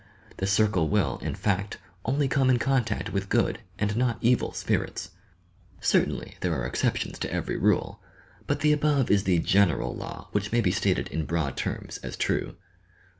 The circle will, in fact, only come in contact with good and not evil spirits. Certainly, there are excep tions to every rule ; but the above is the general law which may be stated in broad terms as true.